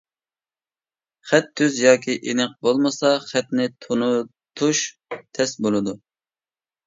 خەت تۈز ياكى ئېنىق بولمىسا، خەتنى تونۇتۇش تەس بولىدۇ.